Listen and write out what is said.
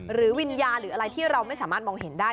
หรือวิญญาณหรืออะไรที่เราไม่สามารถมองเห็นได้